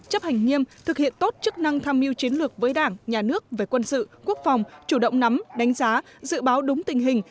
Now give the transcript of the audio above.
chấp hành nghiêm thực hiện tốt chức năng tham mưu chiến lược với đảng nhà nước về quân sự quốc phòng chủ động nắm đánh giá dự báo đúng tình hình